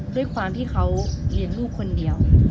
ด้วยความที่เขาเลี้ยงลูกคนเดียว